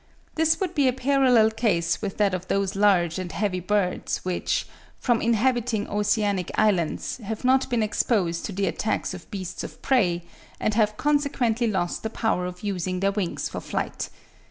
This would be a parallel case with that of those large and heavy birds, which, from inhabiting oceanic islands, have not been exposed to the attacks of beasts of prey, and have consequently lost the power of using their wings for flight.